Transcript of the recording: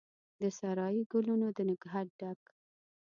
د سارایي ګلونو د نګهت ډک،